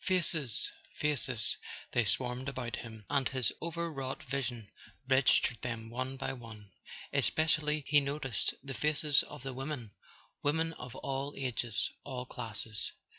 Faces, faces—they swarmed about him, and his overwrought vision registered them one by one. Espe¬ cially he noticed the faces of the women, women of all ages, all classes.